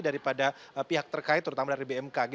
daripada pihak terkait terutama dari bmkg